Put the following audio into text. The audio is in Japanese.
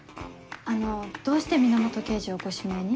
あのどうして源刑事をご指名に？